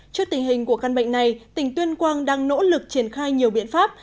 trước tình hình của căn bệnh này tỉnh tuyên quang đang nỗ lực triển khai nhiều biện pháp